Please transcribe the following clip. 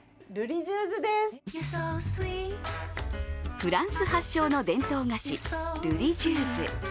フランス発祥の伝統菓子ルリジューズ。